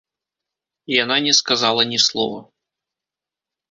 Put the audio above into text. Яна не сказала ні слова.